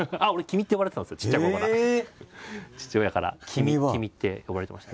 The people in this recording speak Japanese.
父親から「君」って呼ばれてました。